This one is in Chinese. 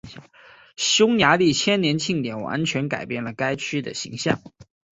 匈牙利千年庆典完全改变了该区的形象。